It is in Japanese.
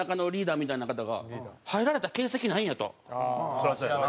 そりゃそうやな。